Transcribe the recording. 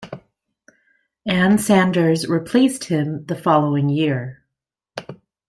Ann Sanders replaced him the following year.